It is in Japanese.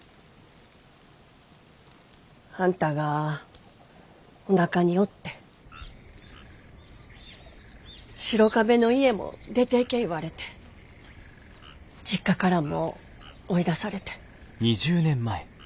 あんたがおなかにおって白壁の家も出ていけ言われて実家からも追い出されて。